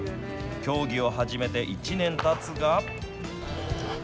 競技を始めて１年たつが。